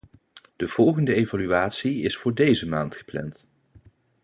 De volgende evaluatie is voor deze maand gepland.